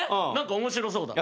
面白そうだね。